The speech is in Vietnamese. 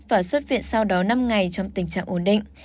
và xuất viện sau đó năm ngày trong tình trạng ổn định